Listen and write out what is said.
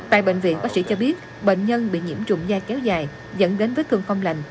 tại bệnh viện bác sĩ cho biết bệnh nhân bị nhiễm trùng da kéo dài dẫn đến vết thương không lành